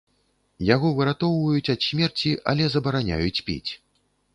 Яго выратоўваюць ад смерці, але забараняюць піць.